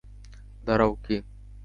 দাঁড়াও, কী?